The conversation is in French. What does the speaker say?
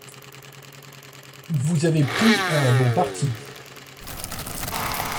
Vous avez pris un bon parti.